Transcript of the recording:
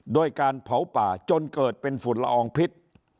โดยการเผาป่าจนเกิดเป็นฝุ่นละอองพิษ